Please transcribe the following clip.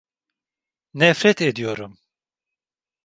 Nefret ediyorum.